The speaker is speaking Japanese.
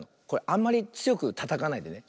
あんまりつよくたたかないでね。